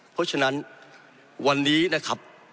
เพราะฉะนั้นวันนี้นะครับ